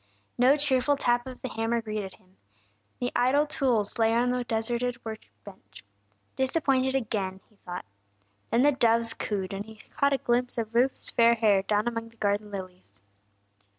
No cheerful tap of the hammer greeted him. The idle tools lay on the deserted workbench. "Disappointed again!" he thought. Then the doves cooed, and he caught a glimpse of Ruth's fair hair down among the garden lilies.